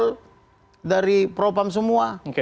lengkap dengan pengawalan dari propam semua